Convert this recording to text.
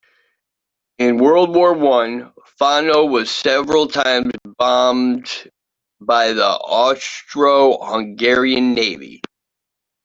In World War One Fano was several times bombed by the Austro-Hungarian Navy.